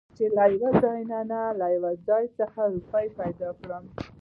چې له يوه ځاى نه يو ځاى خڅه روپۍ پېدا کړم .